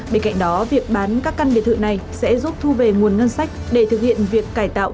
bên cạnh đó việc bán các căn biệt thự này sẽ giúp thu về nguồn ngân sách để thực hiện việc cải tạo